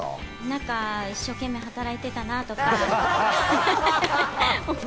何か一生懸命働いていたなとか。